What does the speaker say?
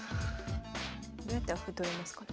どうやったら歩取れますかね。